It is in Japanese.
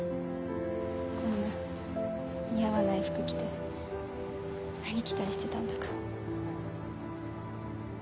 こんな似合わない服着て何期待してたんだか。